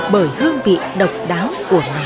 bởi hương vị độc đáo của nó